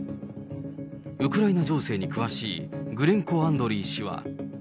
ウクライナ情勢に詳しいグレンコ・アンドリー氏は。